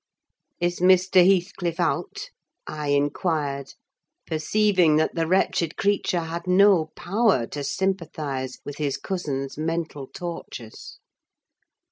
"Is Mr. Heathcliff out?" I inquired, perceiving that the wretched creature had no power to sympathise with his cousin's mental tortures.